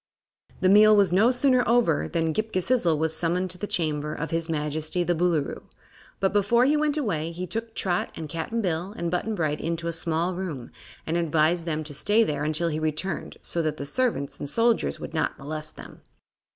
The meal was no sooner over than Ghip Ghisizzle was summoned to the chamber of his Majesty the Boolooroo, but before he went away he took Trot and Cap'n Bill and Button Bright into a small room and advised them to stay there until he returned, so that the servants and soldiers would not molest them.